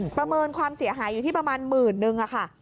ประเมินความเสียหายอยู่ที่ประมาณหมื่นนึงค่ะ